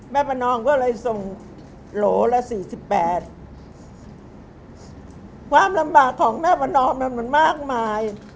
ประนอมก็เลยส่งโหลละสี่สิบแปดความลำบากของแม่ประนอมมันมันมากมาย